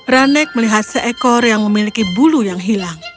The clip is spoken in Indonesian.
rane melihat seekor yang memiliki bulu emas